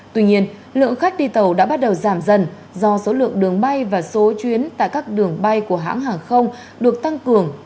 tuy nhiên lượng khách đi tàu đã bắt đầu giảm dần do số lượng đường bay và số chuyến tại các đường bay của hãng hàng không được tăng cường